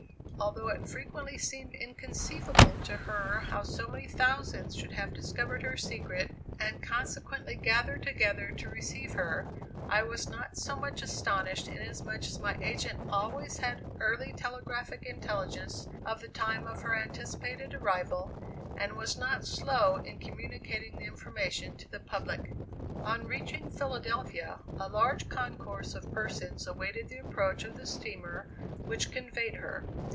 Although it frequently seemed inconceivable to her how so many thousands should have discovered her secret and consequently gathered together to receive her, I was not so much astonished, inasmuch as my agent always had early telegraphic intelligence of the time of her anticipated arrival, and was not slow in communicating the information to the public. On reaching Philadelphia, a large concourse of persons awaited the approach of the steamer which conveyed her.